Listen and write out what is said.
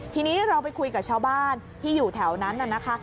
ทีนี้เราไปคุยกับชาวบ้านที่อยู่แถวนั้นน่ะนะคะ